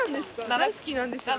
大好きなんです私。